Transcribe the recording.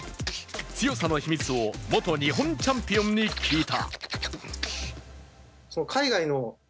強さの秘密を元日本チャンピオンに聞いた。